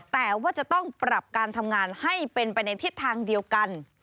แต่ว่าจะต้องปรับการทำงานให้เป็นไปในทิศทางเดียวกัน